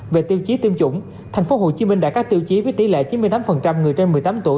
về tiêu chí tiêm chủng tp hcm đã có tiêu chí với tỷ lệ chín mươi tám người trên một mươi tám tuổi